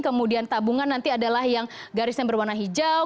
kemudian tabungan nanti adalah yang garisnya berwarna hijau